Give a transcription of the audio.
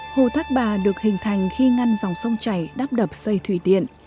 hồ thác bà được hình thành khi ngăn dòng sông chảy đắp đập xây thủy điện